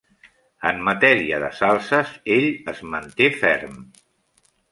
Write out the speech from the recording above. En matèria de salses, ell es manté ferm.